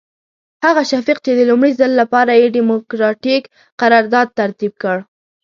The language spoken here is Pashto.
هغه شفیق چې د لومړي ځل لپاره یې ډیموکراتیک قرارداد ترتیب کړ.